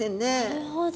なるほど。